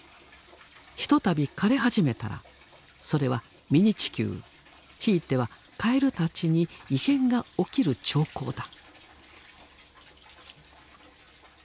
ひとたび枯れ始めたらそれはミニ地球ひいてはカエルたちに異変が起きる兆候だ。